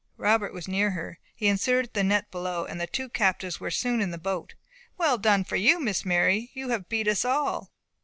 Robert was near her. He inserted the net below, and the two captives were soon in the boat. "Well done for you, Miss Mary; you have beat us all!"